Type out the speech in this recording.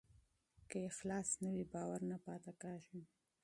که اخلاص نه وي، باور نه پاتې کېږي.